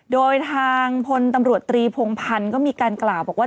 โดยทางพลตำรวจตรีพงพันธ์ก็มีการกล่าวบอกว่า